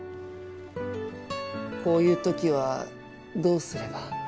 こういう時はどうすれば。